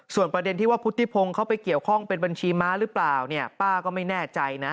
ส่วนประเด็นที่ว่าพุทธิพงศ์เขาไปเกี่ยวข้องเป็นบัญชีม้าหรือเปล่าเนี่ยป้าก็ไม่แน่ใจนะ